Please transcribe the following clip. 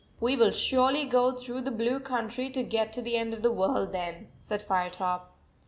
"We will surely go through the blue 99 country to get to the end of the world then," said Firetop.